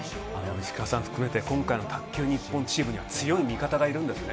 石川さん含めて、今回の卓球チームには強い味方がいるんですね。